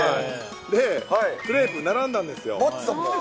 で、クレープ並んだんですよ。